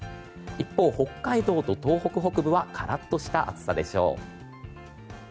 一方、北海道と東北北部はカラッとした暑さでしょう。